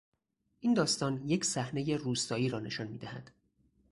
این داستان یک صحنهی روستایی را نشان میدهد.